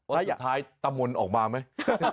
ว่าสุดท้ายตามนออกมาไหม